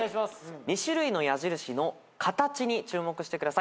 ２種類の矢印の形に注目してください。